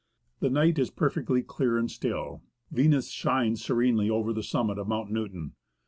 The night is perfectly clear and still ; Venus shines serenely over the summit of Mount Newton.